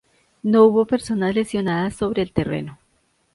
No hubo personas lesionadas sobre el terreno.